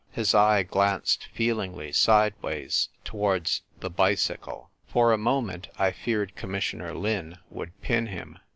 His eye glanced feelingly sideways towards the bicycle. For a moment I feared Commissioner Lin would pin him.